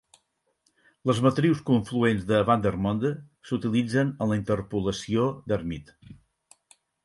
Les matrius confluents de Vandermonde s'utilitzen en la interpolació d'Hermite.